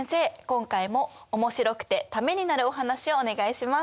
今回もおもしろくてためになるお話をお願いします。